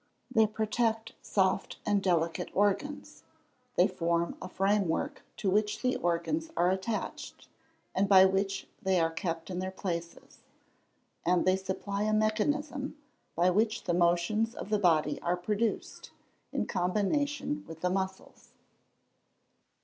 _ They protect soft and delicate organs; they form a framework to which the organs are attached, and by which they are kept in their places; and they supply a mechanism, by which the motions of the body are produced, in combination with the muscles.